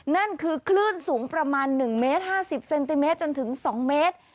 นั่นคือคลื่นสูงประมาณ๑เมตร๕๐เซนติเมตรจนถึง๒เมตร